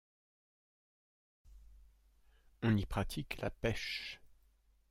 On y pratique la pêche.